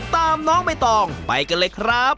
ตามน้องใบตองไปกันเลยครับ